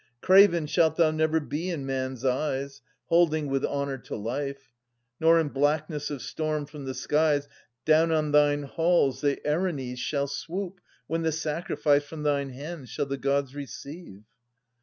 Craven shalt thou never be in men's eyes, Holding with honour to life: nor in blackness of storny from the skies Down on thine halls the Erinnys shall swoop, when the sacrifice 700 From thine hands shall the Gods receive.